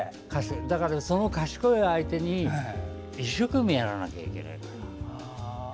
だからその賢い相手に一生懸命やらなきゃいけない。